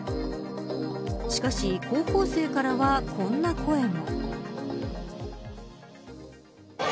しかし高校生からはこんな声も。